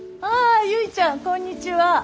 ああ結ちゃんこんにちは。